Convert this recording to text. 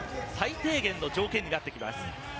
最低限の条件になってきます。